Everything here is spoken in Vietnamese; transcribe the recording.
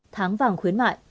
tháng vàng khuyến mại